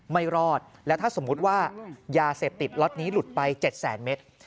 ไม่รอดแล้วถ้าสมมุติว่ายาเสพติดล็อตนี้หลุดไป๗แสนเมตร